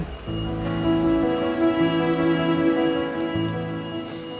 kamu gak cinta sama andi